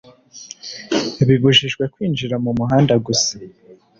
bibujijwe kwinjira mu muhanda gusa